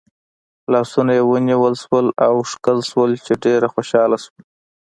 لاسونه یې ونیول شول او ښکل شول چې ډېره خوشحاله شوه.